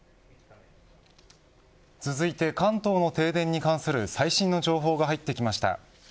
続いて関東の停電に関する最新の情報が入ってきました。